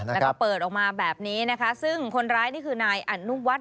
แล้วก็เปิดออกมาแบบนี้นะคะซึ่งคนร้ายนี่คือนายอนุวัฒน